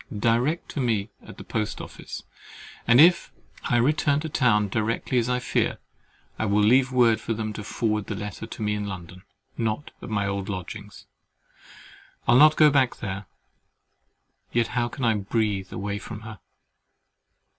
Direct to me at the Post office; and if I return to town directly as I fear, I will leave word for them to forward the letter to me in London—not at my old lodgings. I will not go back there: yet how can I breathe away from her?